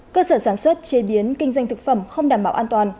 cơ sở sản xuất chế biến kinh doanh thực phẩm không đảm bảo an toàn